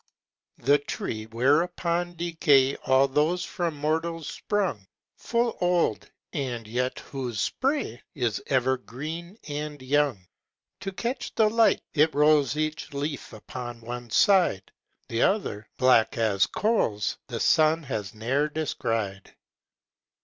The tree whereon decay All those from mortals sprung, Full old, and yet whose spray Is ever green and young; To catch the light, it rolls Each leaf upon one side; The other, black as coals, The sun has ne'er descried.